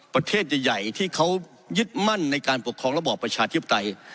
ประเทศใหญ่ที่เขายึดมั่นในการปกครองระบอบประชาธิปไตย